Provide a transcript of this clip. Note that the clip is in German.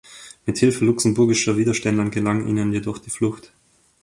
Mit Hilfe luxemburgischer Widerständler gelang ihnen jedoch die Flucht.